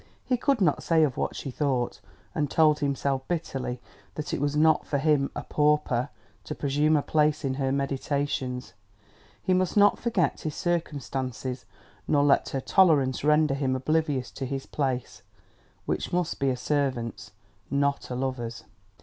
He could not say of what she thought; and told himself bitterly that it was not for him, a pauper, to presume a place in her meditations. He must not forget his circumstances, nor let her tolerance render him oblivious to his place, which must be a servant's, not a lover's.